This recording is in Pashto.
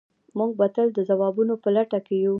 موږ به تل د ځوابونو په لټه کې یو.